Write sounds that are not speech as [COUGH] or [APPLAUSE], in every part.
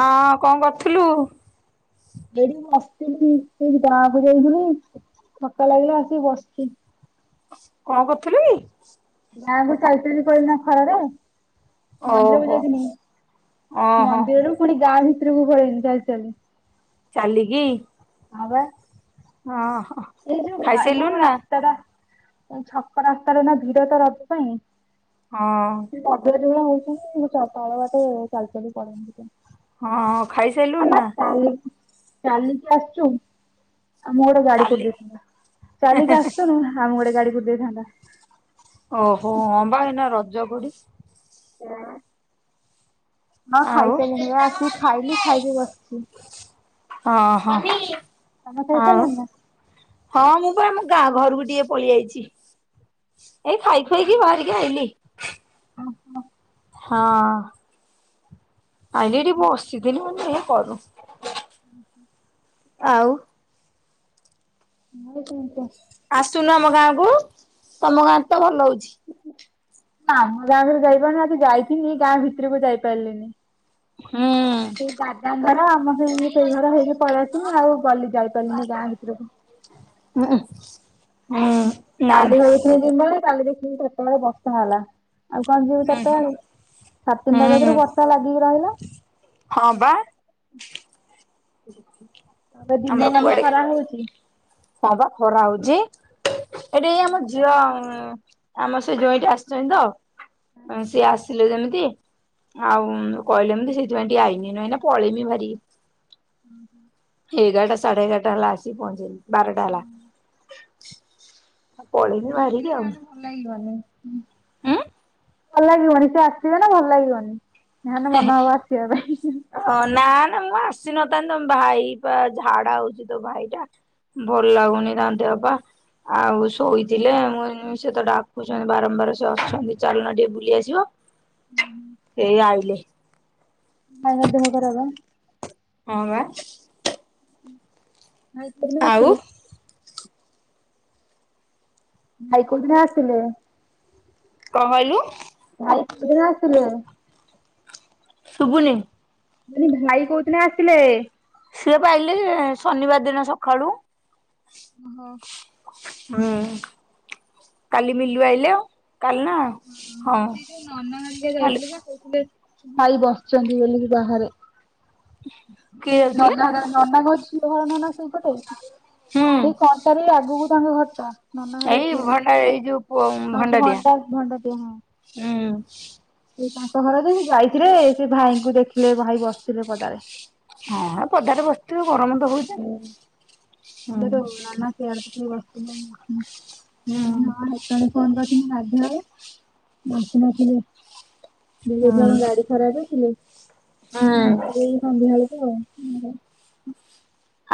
ହଁ କଣ କରୁଥୁଲୁ? ଏଇଠି ମୁଁ ବସିଥିଲି ସେଇଠି ଗାଁକୁ ଯାଇଥିଲି ଥକା ଲାଗିଲା ଆସିକି ବସିଚି। କଣ କରୁଥିଲୁ କି? ଗାଁକୁୁ ଚାଲି ଚାଲି ପଳେଇଲିନା ଖରାରେ। ମନ୍ଦିରକୁ ଓହୋ ଯାଇିଥିନି ଓହୋ ମନ୍ଦିରରୁୁ ପୁଣି ଗାଁ ଭିତରକୁ ପଳେଇଲି ଚାଲି ଚାଲି। ଚାଲିକି? ହଁ ବା। ହଁ ହ ଅଃ ଏଇ ଯୋଉ ଫାରମ ଆମର ରାସ୍ତା ଟା ଏ ଛକ ରାସ୍ତାରେ ନା ଭିଡ଼ ତ ରାତି ପାଇଁ। ହଁ। ସେ ପାଗିଳି ଭଳିଆ ହଉଛନ୍ତି ମୁଁ ଚକାଳ ବାଟେ ଚାଲି ଚାଲି ପଳେଇନି ସେଇଥିପାଇଁ। ହଁ ଖାଇସାଲୁଣି ନା? [UNINTELLIGIBLE] ଚାଲିକି ଆସିଛୁ ଆ ମୁଁ ଗୋଟେ ଗାଡ଼ି ଚାଲି କରିଦେଇଥିନେ ଚାଲିକି ଆସୁଛୁ ହଁ ଆମକୁ ଗୋଟେ ଗାଡ଼ି କୁଟି ଦେଇଥାନ୍ତା। ଓହୋ ହମ୍ବା ଏଇନା ରଜ ପଡ଼ି [UNINTELLIGIBLE] ହଁ ଆଉ ଖାଇସାରିଲିଣି ଏଆ ଆସିକି ଖାଇଲି ଖାଇକି ବସିଚି। ହଁ ହଁ ତମେ ଆଉ। ଖାଇସାରିଲଣି ନା? ହଁ ମୁଁ ପା ଆମ ଗାଁ ଘରକୁ ଟିକେ ପଳିଆଚି ଏଇ ଖାଇ ଖୁଆ କି ବାହାରି ଏ ଆଇଲି। ଓ ହୋ। ହଁ। ଆଇଁଲି ଏଠି ବସିଥିଲି ମୁଁ କଇନି ଦେ କରୁ। ହୁଁ ହୁଁ। ଆଉ। ଆଉ କଣ କ। ଆସୁନୁ ଆମ ଗାଁ କୁ ତମ ଗାଁରେ ତ ଭଲ ହଉଚି। ଆମ ଗାଁ କୁ ତ ଯାଇପାରୁନି ଆଜି ଯାଇଥିନି ଗାଁ ଭିତରକୁ ଯାଇପାରିଲିନି। ହୁଁ। ସେ ଦାଦାଙ୍କର ଆମ ହେଇ ସେଇ ଘର ହେଇକି ପଳେଆସିନି ଆଉ ଗଲି ଯାଇପାରିଲିନି ଗାଁ ଭିତରକୁ। ଉହୁ ହୁଁ। ନା କାଲି ନା ଭାବିଥିଲି ଜିମିବୋଲି କାଲି ଦେଖିଲି ସେତେବେଳେ ବର୍ଷା ହେଲା ଆଉ କଣ ଯିବୁ ଚାଟା ହୁଁ ବେଳେ ସାଢ଼େ ତିନିଟା ହୁଁ କତୁରୁ ବର୍ଷା ଲାଗିକି ରହିଲା ହଁ ପା। ଏବେ ଦିନ ମାନେ ଖରା ହଉଚି। ହପା ଖରା ହଉଚି ଏଠି ଏଇ ଆମ ଝିଅ ଆମର ସେ ଯୋଇ ଟା ଆସିଛନ୍ତି ତ ସିଏ ଆସିଲେ ଯେମିତି ଆଉ କହିଲେ ଯେମିତି ସେଥିପାଇଁ ଟିକେ ଆଇନି ଏଇନା ପଳେଇମି ଭାରିକି। ହୁଁ ହୁ। ଏଗାରଟା ସାଢେ ଏଗାରଟା ହେଲା ଆସି ପହଞ୍ଚିଲି ବାରଟା ହେଲା। ପଳେଇମି ବାହାରିକି ଆସିଥିଲେ ଆଉ ଯାହେନେ ଭଲ ଲାଗିବନି। ଉଁ ଭଲ ଲାଗିବନି ସେ ଆସିବେନା ଭଲ ଲାଗିବନି ଯାହାହେନେ ମନ ହବ ଆସିବା ପାଇଁ ହୁ। ହଁ ନା ନା ମୁଁ ଆସିନଥାନ୍ତି ତମ ଭାଇ ପା ଝାଡା ହଉଛି ତୋ ଭାଇ ଟା ଭଲ ଲାଗୁନି ତାନ୍ତି ବାପା ଆଉ ଶୋଇଥିଲେ ମୁ ସେ ତ ଡାକୁଛନ୍ତି ବାରମ୍ବାର ସେ ଅଛନ୍ତି ଚାଲନା ଟିକେ ବୁଲି ଆସିବ। ଏଇ ଆଇିଲ। ଆ ଦେ ହ କରରବ [UNINTELLIGIBLE] [INAUDIBLE] ହ ବା। ନାଇଁକ ଆଉ ଆସିଲ ଭାଇକୋର୍ଟିନ ଆସିଲେ [UNINTELLIGIBLE] [INAUDIBLE] କଣ କହିଲୁ? ଭାଇିନ ଆସିଲେ। ଶୁଭୁନି। ମାନି ଭାଇ କୋଉଦିନେ ଆସିଲେ? ସିଏ ପା ଆଇଲେ ଶନିବାର ଦିନ ସକାଳୁ। ହୋ। ହୁଁ କାଲି ମିଲୁ ଆଇିଲେ ଆଉ କାଲି ନା। ହଁ ଭଲ। କଥିଲେ ଭାଇ ବସିଛନ୍ତି ବୋଲିୋିକ ବାହାରେ। କିଏ ଯାଉଥିଲେ? ନନା ଗଛ ଘର ନ ନା ସେଇପଟେ [UNINTELLIGIBLE] ହୁଁ ସେଇ କଣ୍ଟା ବି ଆଗକୁ ତାଙ୍କ ଘର ଟା। ନାନ ହର ଏଇ ଝିଅ ଭଣ୍ଡା ଏଇ ଯୋଉ ହ ଭଣ୍ଡାରିଆ। ଭଣ୍ଡା ଭଣ୍ଡା ଦିଅ ହଁ। ହୁଁ। ସେ ତାଙ୍କ ଘର ଯେ ଯାଇଥିଲେ ସେ ଭାଇଙ୍କୁ ଦେଖିଲେ ଭାଇ ବସିଥିଲେ ପଦାରେ। ହଁ ପଦାରେ ବସିଥିବ ଗରମ ତ ହୋଉଚି। ମୁଁ କହିଲି ଟିକେ ଓଳାନା ସିଆଡେ ଟିକେ [UNINTELLIGIBLE] ହୁଁ। କାଲି କଲ କରିଥିଲୁ ଗାଧୁଆବେଳେ ମୁଁ ଆସି ନଥିଲି। [UNINTELLIGIBLE] ଥିଲା ହୁଁ କଣ ଗାଡି ଖରାପ ହେଇଥିଲେ। ହୁଁ। ଆସିବେ ଏ ସନ୍ଧ୍ୟାବେଳକୁ ଆଉ।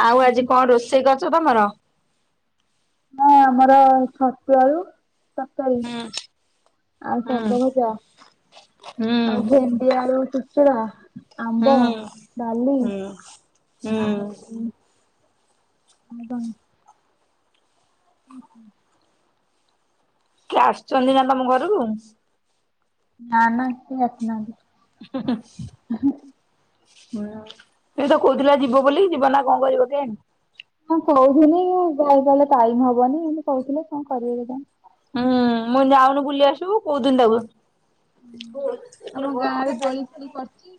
ଆଉ ଆଜି କଣ ରୋଷେଇ କରିଛ ତମର? ନା ଆମର ଛତୁ ଆଳୁ ତରକାରି ହୁଁ ଆଉ ହୁଁ ସାଗ ଭଜା। ହୁଁ ଆଉ ଭେଣ୍ଡି ଆଳୁ ଚୁଚୁରା ଆମ୍ବ ହୁଁ ଡାଲି ହୁଁ। ହୁଁ। ଆଉ କଣ? ହୁଁ ହୁଁ। କିଏ ଆସୁଛନ୍ତି ନା ତମ ଘରକୁ? ନା ନା ସେ ଆସିନାହାନ୍ତି। ହି ହୀ। ହୁଁ ଏ ତ କହୁଥିଲା ଯିବ ବୋଲି ଯିବ ନା କଣ କରିବ କେଇଜାଣି। ହଁ କହୁଥିଲି ଘରେ କହିଲେ ଟାଇମ ହବନି ଏମତି କହୁଥିଲେ କଣ କରିବେ କେଜାଣି। ହୁଁ ମୁଁ କହିଲି ଯାଉନୁ ବୁଲିଆସିବୁ କହୁଥିନି ତାକୁ। ହ ଆମ ଏ ବ ଗାଁରେ ଦୋଳି ଫୋଳି ପଡିଚି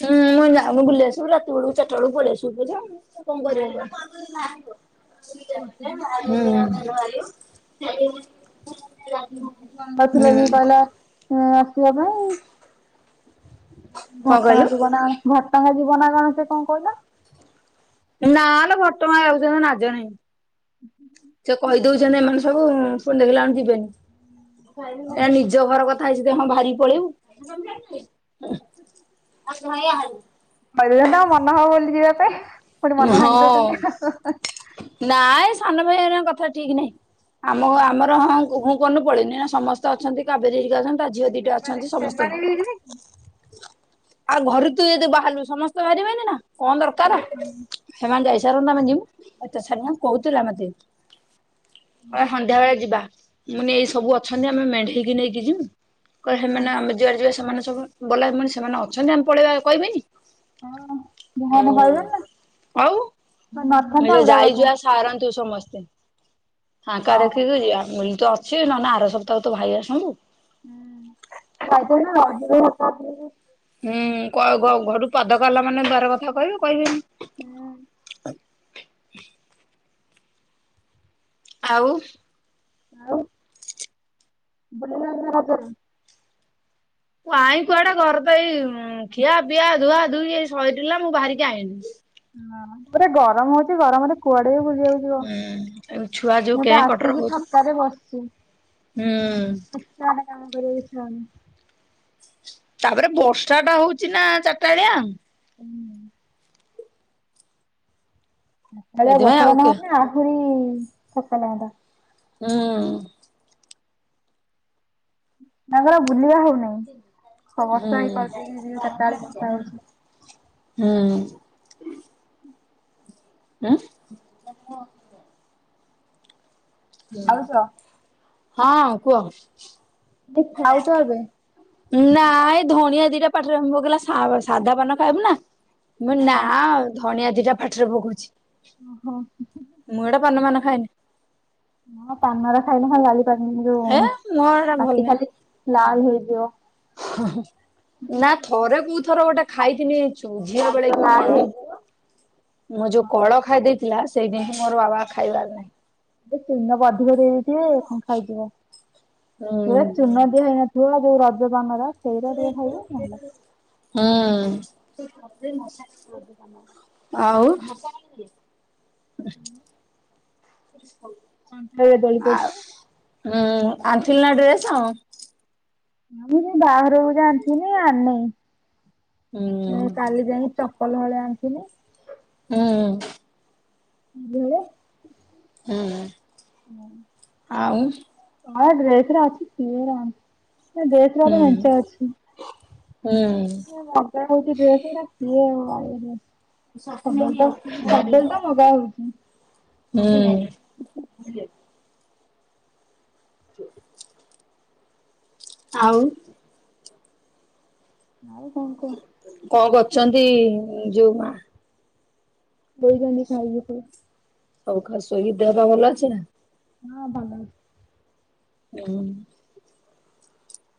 ହୁଁ ଯା ମୁୁ କହିଲି ବୁଲିଆସିବୁ ରାତି ବେଳକୁ ଚାରି ବେଳକୁଳ ଆସୁ ବ କଣ କରିବା ହୁ। ଆ [UNINTELLIGIBLE] ଥିଲେ ବି ଭଲ। ଆସିବା ପାଇଁ କଣ ଘଟଗାଁ କହିଲୁ? ଯିବ ନା ଘଟଗାଁ ଯୀବ ନା କଣ ସେ କଣ କହିଲା। ନାଲୋ ଘଟଗାଁ ଯାଉଛି ମୁଁ ନାଜ ନାହିଁ ସେ କହି ଦୋଉଛନ୍ତି ଏମାନେ ସବୁ ପୁଣି ଦେଖିଲାବେଳକୁ ଯିବେନି। ନିଜ ଘର କଥା ଆଇଚି ଯେ ହଁ ବାହାରିକି ପଳେଇବୁ। କହିଁଲେ ପା ମନ ହବ ବୁଲି ଯିବା ପାଇଁ। ପୁଣି ମନ ଭାଙ୍ଗି ଦଉଛନ୍ତି ଆଉ। ହଁ ନାଇଁ ସାନ ଭାଇ ହେରିକାଙ୍କ କଥା ଠିକ୍ ନାହିଁ। ଆମ କୁ ଆମର ହଁ ହୁଁ କନୁ ପଳେଇନି ଏଇନା ସମସ୍ତେ ଅଛନ୍ତି କାବେରୀ ହେରିକା ଅଛନ୍ତି। ତା ଝିଅ ଦିଟା ଅଛନ୍ତି ସମସ୍ତେ ସେମାନେ ବି ଯିବେ କି? ଆଉ ଘରୁ ତୁ ଯଦି ବାହାରିଲୁ ସମସ୍ତେ ବାହାରିବେନି ନା କଣ ଦରକାର। ହେମାନେ ଯାଇସାରନ୍ତୁ ଆମେ ଜିମୁ ଏତେ ଛାନିଆ କହୁଥିଲା ମତେ କହିଲା ସନ୍ଧ୍ୟାବେଳେ ଯିବା। ମୁଁ କହିନି ଏଇ ସବୁ ଅଛନ୍ତି ଆମେ ମେଣ୍ଢେଇକି ନେଇକି ଯିମୁ କହିବେ ହେମାନେ ଆମେ ଯୁଆଡେ ଯିବା ସେମାନେ ସବୁ ବଲା ସେମାନେ ଅଛନ୍ତି ଆମେ ପଳେଇବା କହିବେନି। ହଁ ଯାହାହେଲେ ହୁଁ କହିବେ ନା ଆଉ ମୁଁ ନଥାନ୍ତେ ନିଜେ ଅଲଗା ଯାଇକି କଥା। ଆଶ୍ ସାରନ୍ତୁ ସମସ୍ତେ ଫାଙ୍କା ହଁ। ଦେଖିକି ଯିବା। ମୁ କହିଲି ତ ସିଏ ନହେନେ ଆର ସପ୍ତାହରେ ତୋ ଭାଇ ଆସନ୍ତୁ ହୁଁ ଭାଇ ତ ଏଇନା ରହିବେ ସାତ, ଆଠ ଦିନ ହୁଁ କ ଘ ଘରୁ ପାଦ କଢ଼ିଲା ମାନେ ବାର କଥା କହିବେ କହିବେନି। ହୁଁ। ଆଉ? ଆଉ ବୁଲି ନାହାନ୍ତି ନା ରଜରେ? କାଇଁ କୁଆଡ଼େ ଘରେ ତ ଏଇ ଖିଆ, ପିଆ, ଧୁଆ, ଧୋଇ ଏଇ ସରିଥିଲା ମୁଁ ବାହାରିକି ଆଇନି। ହଁ ପୁରା ଗରମ ହୋଉଛି ଗରମରେ କୁଆଡେ ବି ବୁଲିଯାଉଚୁ। କୁହ ହୁଁ ଆଉ ଛୁଆ ଯୋଉ ମୁଁ କେଁ ତ କଟର ଆସିଚି ହଉଚୁ ଫାଙ୍କାରେ ବସିଚି। ହୁଁ। ସିଆଡେ କାମ କରିବାକୁ ଇଚ୍ଛା ହୋଉନି। ତାପରେ ବର୍ଷା ଟା ହୋଉଛି ନା ଚାରିଟାଳିଆ ଉଁ ସକାଳିଆ ସେଇଥିପାଇଁ ବର୍ଷା ଟା ଆଉ କେ ନହେନେ ଆହୁରି ଥକା ଲାଗନ୍ତା। ଅଁ, ତାଙ୍କର ବୁଲିବା ହୋଉନାହିଁ। ତ ହୁଁ ବର୍ଷା ହେଇ କରିଦେଇକି ଯିବେ ଚାରଟା ବେଳେ ବର୍ଷା ହୋଉଛି। ହୁଁ, ହୁଁ। ଆଁ, ଭାଉଜ ହଁ କୁହ। ଏ ଖାଉଛ ଏବେ? ନାଇ ଧଣିଆ ଦିଟା ପାଟିରେ ବୋଉ କହିଲା ସା -ସାଧା ପାନ ଖାଇବୁନା। ମୁଁ ନା ଧଣିଆ ଦିଟା ପାଟିରେ ପକଉଛି। ଓ ହୋ ଉହୁଁ। ମୁଁ ଏଟା ପାନ ଫାନ ଖାଏନି। ହଁ ପାନରା ଖାଇଲେ ଖାଲି ଲାଲି ପାନି ଯୋଉ ହେ ମୋର ଏଟା ଭଲ ପାଟି ନାହିଁ। ଖାଲି ଲାଲ୍ ହେଇଯିବ। ନା ଥରେ କୋଉ ଥର ଗୋଟେ ଖାଇଥିନି ଛୁ ଝିଅର ଦାନ୍ତ ବେଳେ କି ଲାଲ କଣ। ହେଇଯିବ। ମୋ ଯୋଉ କଳ ଖାଇ ଦେଇଥିଲା ସେଇ ଦିନଠୁ ମୋର ବାବା ଖାଇବାର ନାହିଁ। ଏ ଚୂନ କୁ ଅଧିକ ଦେଇ ଦେଇଥିବେ, ହଁ ଖାଇଯିବ ଏ ହୁଁ ଚୂନ ହେଇ ନ ନଥିବ ଯୋଉ ରଜ ପାନରା ସେଉରା ଟିକେ ଖାଇବେ ନହେଲେ ହଁ। ରଜ ପାନଉରା। ଆଉ ହଁ ସେ ଦୋଳି ଆଉ କରିଛ। ହୁଁ ଆଣଥିଲୁନା ଡ୍ରେସ୍? ନା ମୁଁ ମୁଁ ବାହାଘରକୁ ଯାହା ଅଣିଥିନି ଆଣନାଇଁ। ଏ କାଲି ଯାଇଁକି ଚ ପଲ ହଳେ ଆଣିଥିନି। ହୁଁ। ଭେଳେ ହୁଁ ଆଉ ହଁ ଡ୍ରେସ୍ ରା ଅଛି। କିଏ ହେରା ଆଣ, ଏ ଡ୍ରେସ୍ ରା ତ ମେଞ୍ଚେ ଅଛି। ହଁ। ସେ ମଗା ହୋଉଚି ଡ୍ରେସ୍ ଉଡା କିଏ ଆଣିବାକୁ ଯିବ। ସବବେଳେ ତ ସବବେଳେ ତ ମଗା ହଉଛି। ହଁ। ହ ଆଉ ଆଉ କଣ କୁହ? କଣ କରଛନ୍ତି ଯୋଉ ମା? ବଇଚନ୍ତି ଖାଇକି ଟିକେ। ହଉ ଖା ଶୋଇକି। ଦେହପା ଭଲ ଅଛି ନା? ହଁ ଭଲ ଅଛି। ହଁ ନା।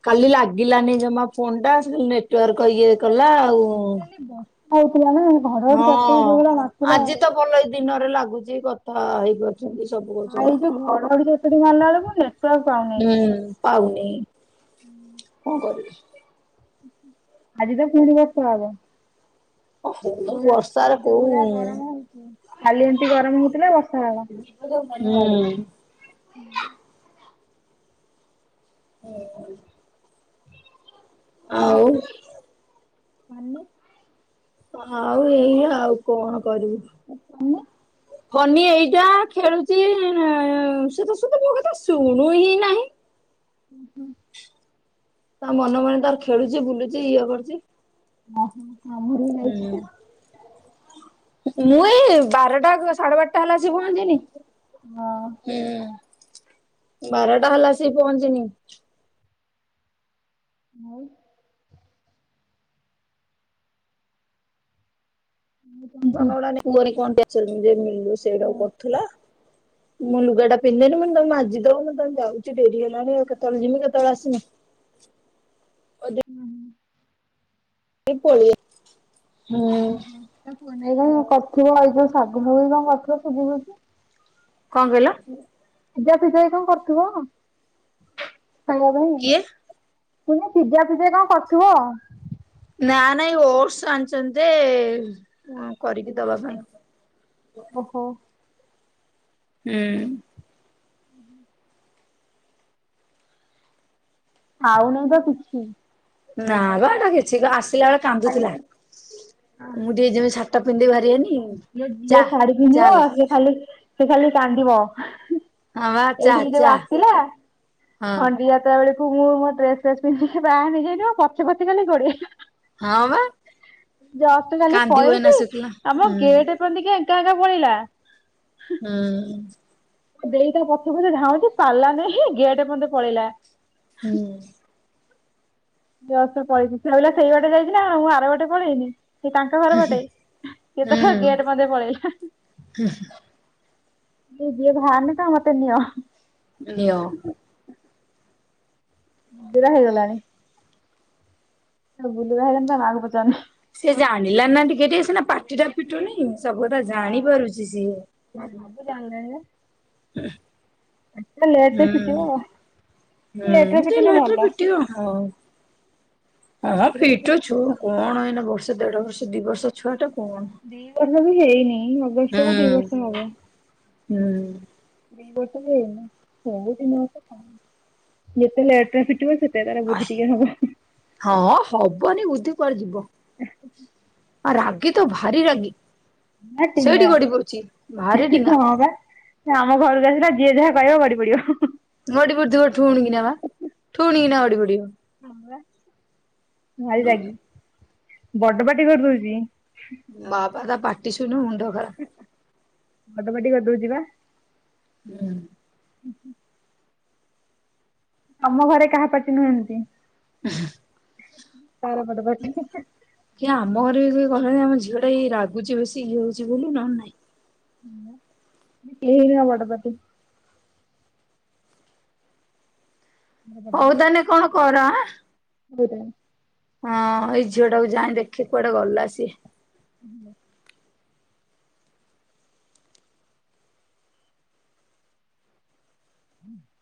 କାଲି ଲାଗିଲାନି ଜମା ଫୋନ୍ ଟା ସେ ଯୋଉ ନେଟୱାର୍କ ଇଏ କଲା ଆଉ। ସେ ବର୍ଷା ହଉଥିଲା ନା ଘରଘଡି ତ ଆକ୍ଚୁଲି ଯୋଉ ହଁ ଭଳିଆ ମାରଥିଲା। ଆଜି ତ ଭଲ ଏଇ ଦିନରେ ଲାଗୁଚି କଥା ହେଇ ଗ ଆଉ ଯୋଉ ଘଡଘଡି ଚଡଚଡି ମାରଲା ବେଳକୁ ଯେ ହୁଁ, ପାଉନେଇ କଣ କରିବୁ। ଆଜି ତ ପୁଣି ବର୍ଷା ହବ। ହଉ ବର୍ଷାରେ କୋଉ ଖାଲି ଏମତି ଗରମ ହଉଥିଲା ବର୍ଷା ହେଲା। ହୁଁ। ହୁଁ। ହଁ। ଆଉ। ମାନେ ଆଉ ଏଇଆ ଆଉ କଣ କରିବୁ। ଆଉ ତୋମେ ବନି ଏଇଟା ଖେଳୁଚି ସେ ତ ସତ ମୋ କଥା ଶୁଣୁ ହିଁ ନାହିଁ ଉଁ ହୁଁ ତା ମନେ ମନେ ତାର ଖେଳୁଛି ବୁଲୁଛି ଇଏ କରୁଛି ଆମର ବି ଯାଇଛି। ହୁଁ ମୁଁ ଏଇ ବାରଟା ସାଢେ ବାରଟା ହେଲା ଆସି ପହଞ୍ଚିଲି। ହୁଁ ବାରଟା ହେଲାସିକି ପହଞ୍ଚିଲି। ଆଉ [UNINTELLIGIBLE] ରୋଷଇଟାକୁ କରୁଥିଲ ମୁଁ ଲୁଗାଟା ପିନ୍ଧେନି ମୁଁ ତମ ମାଜି ଦବ କେତେବଳେ ଯାଉଛି ଡେରି ହେଲାଣି ଆଉ କେତେବେଳେ ଜିମି କେତେବେଳେ ଆସିମି ହୁଁ ଏ ପଳେଆ ହୁଁ ତା ପୁଅ ନାଗି କଣ କରିଥିବ ଏଇ ଯୋଉ ଶାଗ ଫାଗ କଣ କରଥିବ ସୁଜି ଫୁଜି। କଣ କହିଲ? ସିଜା ଫିଜା ଏ କଣ କରୁଥିବ ଖାଇବା ପାଇଁ। କିଏ? [UNINTELLIGIBLE] ପିଜା ଫିଜା କଣ କରୁଥିବ ନା ନାଇଁ ଓଟସ ଆଣିଚନ୍ତି ଯେ କରିକି ଦବା ପାଇଁ। ଓହୋ ହୁଁ [INAUDIBLE] ଖାଉନାଇ ତ କିଛି ନା ବା ହେଟା କିଛି ଆସିଲା ବେଳେ କାନ୍ଦୁଥିଲା ମୁଁ ଟିକେ ଯେମିତି ସଢି ଟା ପିନ୍ଧିଦେଇ ବାହାରିଗଲି ଯିଏ ଶାଢୀ ପିନ୍ଧିବ ସେ ଖାଲି ସେ ଖାଲି କାନ୍ଦିବ। ହଁ ବା ଚା ଏଠିକି ଯୋଉ ଚା ଆସିଲା ହଁ ଖଣ୍ଡିଆତ ବେଳେ ମୁଁ ମୋ ଡ୍ରେସ ଫ୍ରେସ ପନ୍ଧି ବାହାରି ଯାଇଥିବ ପଛେ ପଛେ ଖାଲି ଗୋଡେଇବ। ହଁ ବା ଯଷ୍ଟ କାଲି କାନ୍ଦିବ ଏଇନା ପଳେଇଛି ଶୁଖିଲା ଆମ ହୁଁ ବୋଲିକି ଏକା ଏକା ପଳେଇଲା। ହୁଁ ଦେଇ ତା ପଛ ପଛେ ଧାଉଁଛି ପାରିଲାନାହିଁ ଗେଟ ପନ୍ତେ ପଳେଇଲା। ହୁଁ। ଜଷ୍ଟ ପଳେଇଛି ସେ ଭାବିଲା ସେଇ ବାଟେ ଯାଇଛି ନା ମୁଁ ଆର ବାଟେ ପଳେଇନି। ସେ ତାଙ୍କ ଘର ବାଟେ ଇଏ ତ ହୁଁ ଗେଟ ମଧ୍ୟେ ପଳେଇଲା। ସିଏ ଯିଏ ବାହାରୁନିତ ମତେ ନିଅ। ନିଅ। ହେଇଗଲାଣି। ବୁଲିବା ହେଇଗଲେ ତା ମା କୁ ପଚରୁନି। ସେ ଜାଣିଲାଣିନା ଟିକେ ଟିକେ ସିନା ପାଟି ଟା ଫିଟୁନି। ସବୁ କଥା ଜାଣି ପାରୁଚି ସିଏ। ଏଟା ଲେଟ୍ ରେ ହୁଁ ଫିଟିବ ହୁଁ ଲେଟ୍ ରେ ଟିକେ ଫିଟିଲେ ଲେଟ୍ ରେ ଭଲ। ଫିଟିବ ଆଉ। ହଁ ଦି ଫିଟୁ ଛୁ କଣ ଏଇନା ବର୍ଷ ଦେଢ ବର୍ଷ ଦି ବର୍ଷ ଛୁଆ ଟା କଣ ଦି ବର୍ଷ ବି ହେଇନି ହବ ଅଗଷ୍ଟ କୁ ଦି ହୁଁ ବର୍ଷ ହୁଁ। ଦି ବର୍ଷ ବି ହେଇନି ହୋଇ ଦି ବର୍ଷର ଯେତେ ଲେଟ୍ରେ ଫିଟିବ ସେ ସେ ତାର ବୁଦ୍ଧି ଟିକେ ହବ। ହଁ ହବନି ବୁଦ୍ଧି କୁଆଡେ ଯିବ। ଆ ରାଗି ତ ଭାରି ରାଗି। ଆ ସେଇଠି ଟିଙ୍ଗା ଗଡି ପଡୁଛି ଭାରି ଡିଙ୍ଗା ହଁ ବା। ସେ ଆମ ଘରକୁ ଆସିଲା ଯିଏ ଯାହା କହିବ ଗଡି ପଡିବ। ଗଡି ପଡିଥିବ ଠୁଣ କିନା ବା ଠୁଣ କିନା ଗଡି ପଡିବ। ଭାରି ରାଗି, ବଡ ପାଟି କରିଦଉଚି। ହଁ ପା ତା ପାଟିଶୁଣିବୁ ମୁଣ୍ଡ ଖରାପ୍। ବଡ଼ ପାଟି କରିଦଉଚି ବା। ହୁଁ। [INAUDIBLE] ତମ ଘରେ କାହା ପାଟି ନୁହଁ ଏମତି। [UNINTELLIGIBLE] ତାର ବଡ଼ ପାଟି ଏ ହେଁ। କି ଆମ ଘରେ ବି କହିଲେଣି ଆମ ଝିଅଟା ଏଇ ରାଗୁଛି ବେଶୀ ଇଏ ହଉଛି ବୋଲି ନହେଲ ନାଇଁ। [INAUDIBLE] ବଡ଼ ପାଟି। ହଉ ତାହାନେ କଣ କର ଆଁ। ହଉଦା। ହଁ ଏଇ ଝିଅ ଟାକୁ ଯାଇଁ ଦେଖେ କୁଆଡେ ଗଲା ସିଏ। [INAUDIBLE] [INAUDIBLE]